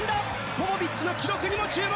ポポビッチの記録にも注目！